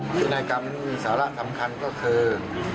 พินัยกรรมนี่สาระสำคัญก็คือ